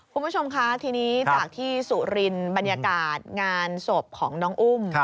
คุณผู้ชมคะทีนี้จากที่สุรินบรรยากาศงานศพของน้องอุ้ม